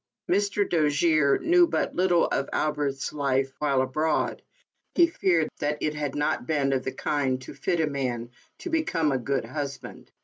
Mr. Dojere knew but little of Albert's life while abroad, but he feared that it had not been of the kind to fit a man to become a good husband.